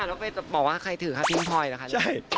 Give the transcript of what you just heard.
อ้าวแล้วไปบอกว่าใครถือค่ะพี่พลอยเหรอคะใช่